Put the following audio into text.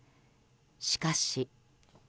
しかし。